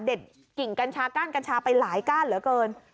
กิ่งกัญชาก้านกัญชาไปหลายก้านเหลือเกิน